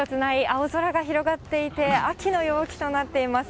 青空が広がっていて、秋の陽気となっています。